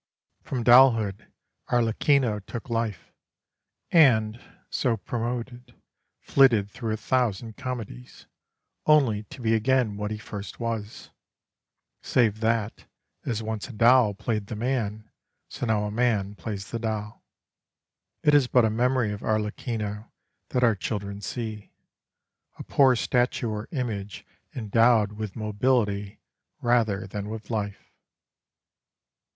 From doll hood Arlecchino took life, and, so promoted, flitted through a thousand comedies, only to be again what he first was; save that, as once a doll played the man, so now a man plays the doll. It is but a memory of Arlecchino that our children see, a poor statue or image endowed with mobility rather than with life.